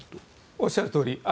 おっしゃるとおり。